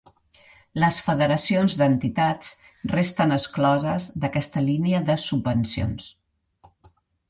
Les federacions d'entitats resten excloses d'aquesta línia de subvencions.